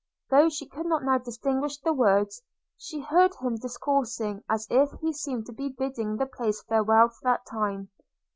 – Though she could not now distinguish the words, she heard him discoursing as if he seemed to be bidding the place farewell for that time.